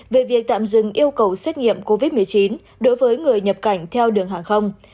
về việc tạm dừng yêu cầu xét nghiệm covid một mươi chín đối với người nhập cảnh theo đường hàng không